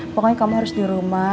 pokoknya kamu harus di rumah